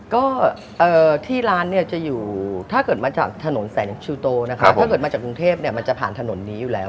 ก็ที่ร้านเนี่ยจะอยู่ถ้าเกิดมาจากถนนแสงชูโตนะครับถ้าเกิดมาจากกรุงเทพเนี่ยมันจะผ่านถนนนี้อยู่แล้ว